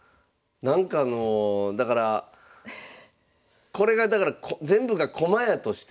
なんかあのだからこれがだから全部が駒やとして。